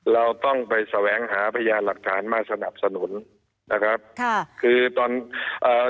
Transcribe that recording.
เราต้องไปแสวงหาพยานหลักฐานมาสนับสนุนนะครับค่ะคือตอนเอ่อ